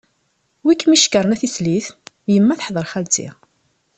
Win i kem-icekkren a tislit? Yemma teḥder xalti.